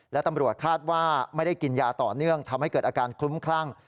และตำรวจคาดว่าไม่ได้กินยาต่อเนื่องทำให้เกิดอาการคลุ้มคลั่ง